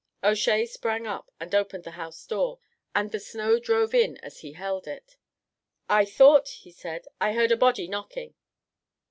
O'Shea sprang up and opened the house door, and the snow drove in as he held it. "I thought," he said, "I heard a body knocking."